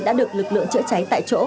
đã được lực lượng chữa cháy tại chỗ